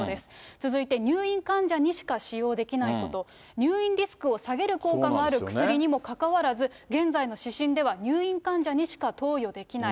続いて、入院患者にしか使用できないこと、入院リスクを下げる効果がある薬にもかかわらず、現在の指針では、入院患者にしか投与できない。